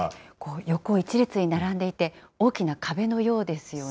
横一列に並んでいて、大きな壁のようですよね。